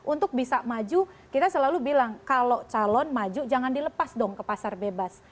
untuk bisa maju kita selalu bilang kalau calon maju jangan dilepas dong ke pasar bebas